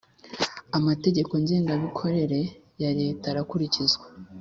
Amategeko ngenga mikorere ya leta arakurikizwa